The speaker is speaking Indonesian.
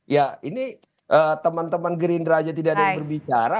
ya ini teman teman gerindra saja tidak ada yang berbicara